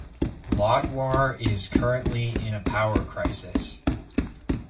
Lodwar is currently in a power crisis.